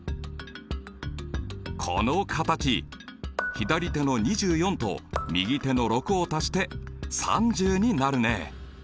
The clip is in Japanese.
左手の２４と右手の６を足して３０になるね。